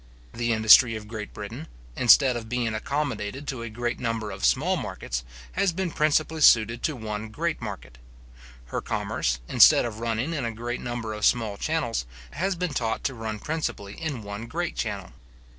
The industry of Great Britain, instead of being accommodated to a great number of small markets, has been principally suited to one great market. Her commerce, instead of running in a great number of small channels, has been taught to run principally in one great channel.